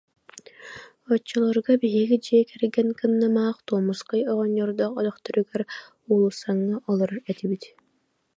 Оччолорго биһиги дьиэ кэргэн кынным аах Томуоскай оҕонньордоох өтөхтөрүгэр Уулуссаҥҥа олорор этибит